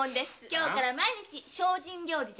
今日から精進料理。